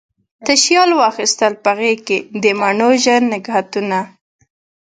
تشیال واخیستل په غیږکې، د مڼو ژړ نګهتونه